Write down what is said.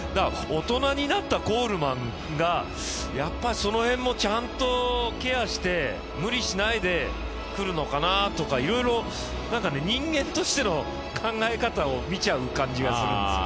大人になったコールマンがやっぱりその辺もちゃんとケアして無理しないでくるのかなとかいろいろ人間としての考え方を見ちゃう感じがするんです。